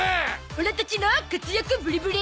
オラたちの活躍ブリブリ！